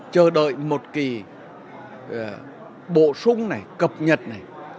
chờ đợi một kỳ bổ sung này cập nhật này